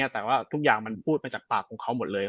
แต่ว่าทุกอย่างมันพูดไปจากปากของเขาหมดเลย